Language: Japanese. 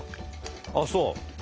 ああそう？